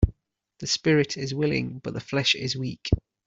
The spirit is willing but the flesh is weak.